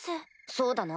そうだな。